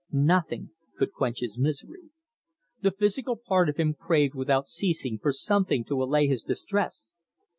Nothing could quench his misery. The physical part of him craved without ceasing for something to allay his distress.